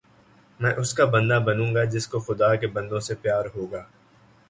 میں اس کا بندہ بنوں گا جس کو خدا کے بندوں سے پیار ہوگا